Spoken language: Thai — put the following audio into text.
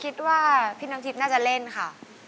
คิดว่าพี่น้ำทิพย์น่าจะเล่นค่ะ